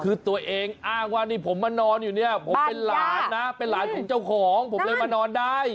คือตัวเองอ้างว่านี่ผมมานอนอยู่เนี่ยผมเป็นหลานนะเป็นหลานของเจ้าของผมเลยมานอนได้